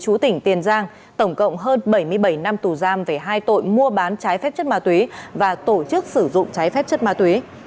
chú tỉnh tiền giang tổng cộng hơn bảy mươi bảy năm tù giam về hai tội mua bán trái phép chất ma túy và tổ chức sử dụng trái phép chất ma túy